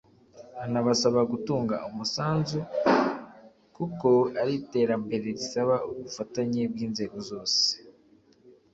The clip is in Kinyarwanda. anabasaba gutanga umusanzu kuko iri terambere risaba ubufatanye bw’inzego zose